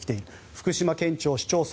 福島県庁、市町村